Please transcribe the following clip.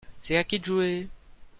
C'est à qui de jouer ?